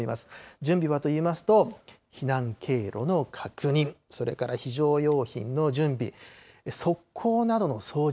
準備はといいますと、避難経路の確認、それから非常用品の準備、側溝などの掃除。